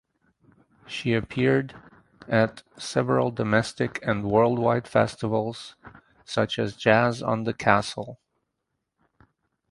She appeared at several domestic and worldwide festivals such as "Jazz on the Castle".